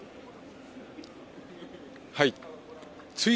はい。